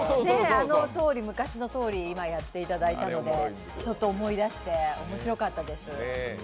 あのとおり、昔のとおり今やっていただいたので思い出して、おもしろかったです。